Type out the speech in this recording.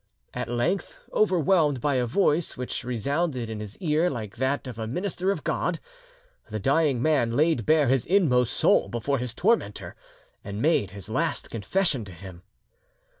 At length, overwhelmed by a voice which resounded in his ear like that of a minister of God, the dying man laid bare his inmost soul before his tormentor, and made his last confession to him.